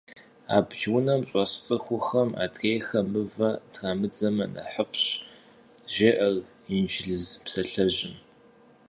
Абдж унэм щӏэс цӏыхухэм адрейхэм мывэ трамыдзэмэ нэхъыфӏщ, жеӏэр инджылыз псалъэжьым.